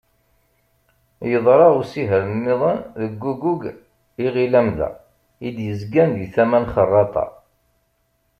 Yeḍra usihar-nniḍen deg uggug Iɣil Amda, i d-yezgan di tama n Xerraṭa.